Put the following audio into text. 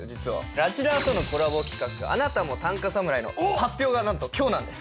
「らじらー！」とのコラボ企画「あなたも短歌侍」の発表がなんと今日なんです。